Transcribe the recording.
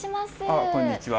あっこんにちは。